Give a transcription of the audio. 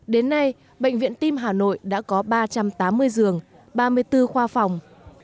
đến nay bệnh viện tim hà nội đã có ba trăm tám mươi giường ba mươi bốn khoa phòng